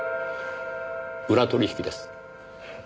裏取引です。